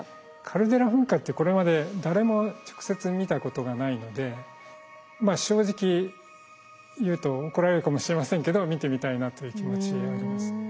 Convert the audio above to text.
カルデラ噴火ってこれまで誰も直接見たことがないのでまあ正直言うと怒られるかもしれませんけど見てみたいなという気持ちあります。